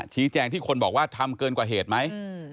ชี้แจงที่คนบอกว่าทำเกินกว่าเหตุไหม